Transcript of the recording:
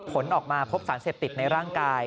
ผลออกมาพบสารเสพติดในร่างกาย